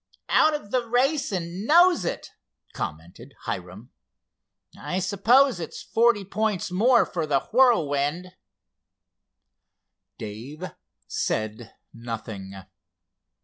"Out of the race and knows it," commented Hiram. "I suppose it's forty points more for the Whirlwind." Dave said nothing.